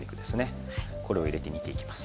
これを入れて煮ていきます。